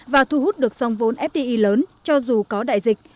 và thu hút được dòng vốn fdi lớn cho dù có đại dịch